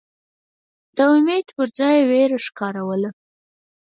د امید پر ځای یې وېره ښکاروله.